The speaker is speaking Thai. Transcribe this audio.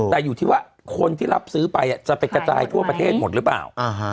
แต่อยู่ที่ว่าคนที่รับซื้อไปจะไปกระจายทั่วประเทศหมดหรือเปล่า